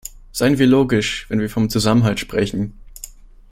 Seien wir logisch, wenn wir vom Zusammenhalt sprechen.